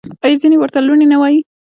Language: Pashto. آیا ځینې ورته لوني نه وايي؟